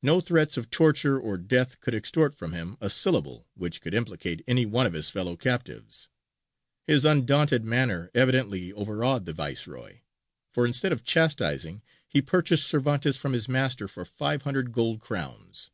No threats of torture or death could extort from him a syllable which could implicate any one of his fellow captives. His undaunted manner evidently overawed the Viceroy, for instead of chastizing he purchased Cervantes from his master for five hundred gold crowns.